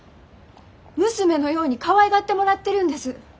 娘のようにかわいがってもらってるんです。